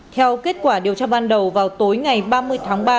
theo kết quả điều tra ban đầu vào tối ngày ba mươi tháng ba